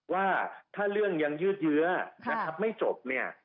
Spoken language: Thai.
ว่าถ้าเรื่องยังยืดเยอะไม่จบ